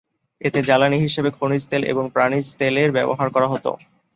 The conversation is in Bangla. এতে জ্বালানী হিসেবে খনিজ তেল এবং প্রাণীজ তেলের ব্যবহার করা হত।